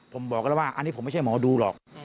ผมบอกกันแล้วว่าอันนี้ผมไม่ใช่หมอดูหรอก